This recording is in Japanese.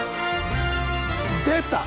出た！